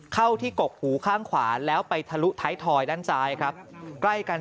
เข้าที่กกหูข้างขวาแล้วไปทะลุท้ายทอยด้านซ้ายครับใกล้กัน